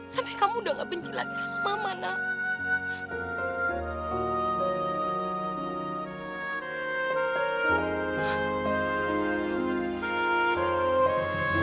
sampai kamu udah gak benci lagi sama mama nak